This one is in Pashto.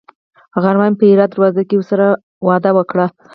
غرمه مې په هرات دروازه کې ورسره وعده وکړه.